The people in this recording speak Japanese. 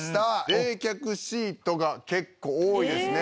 冷却シートが結構多いですね。